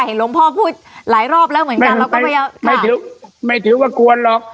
เห็นหลวงพ่อพูดหลายรอบแล้วเหมือนกันไม่ถือว่ากวนหรอก